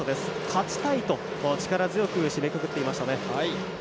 勝ちたいですと力強く締めくくってましたね。